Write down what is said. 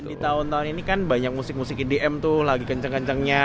dan di tahun tahun ini kan banyak musik musik edm tuh lagi kenceng kencengnya